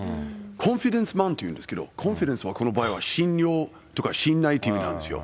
コンフィデンスマンっていうんですけど、コンフィデンスというのは、この場合、信用とか信頼という意味なんですよ。